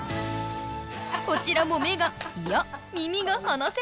こちらも目がいや耳が離せません！